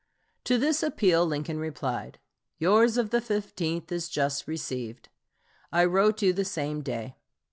To this appeal Lincoln replied: "Yours of the 15th is just received. I wrote you the same day.